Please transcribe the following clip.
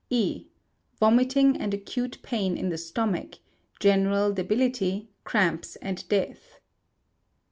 E. Vomiting and acute pain in the stomach, general debility, cramps, and death.